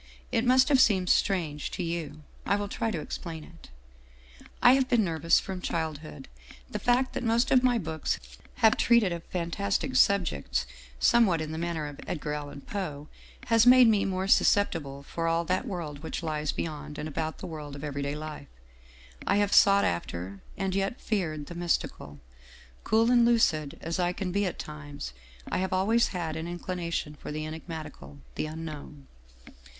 It must have seemed strange to you. I will try to explain it. " I have been nervous from childhood. The fact that most of my books have treated of fantastic subjects, somewhat in the manner of Edgar Allan Poe has made me more susceptible for all that world which lies beyond and about the world of every day life. I have sought after, and yet feared the mystical; cool and lucid as I can be at times, I have always had an inclination for the enigmatical, the Unknown.